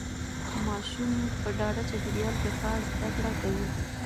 ماسوم په ډاډه چاپیریال کې ښه زده کړه کوي.